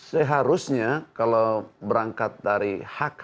seharusnya kalau berangkat dari hak